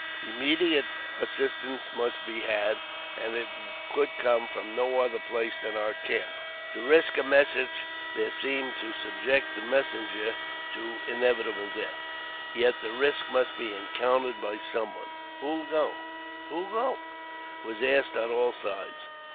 Immediate assistance must be had, and it could come from no other place than our camp. To risk a message there seemed to subject the messenger to inevitable death ; yet the risk must he encountered by some one. " Who'll go ? who'll go? " was asked on all sides.